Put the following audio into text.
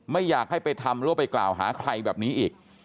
ไม่อยากให้ไปทำหรือว่าไปกล่าวหาใครแบบนี้อีก